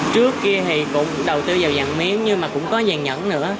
trước kia thì cũng đầu tư vào vàng miếng nhưng mà cũng có vàng nhẫn nữa